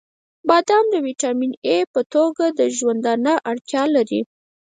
• بادام د ویټامین ای په توګه د ژوندانه اړتیا لري.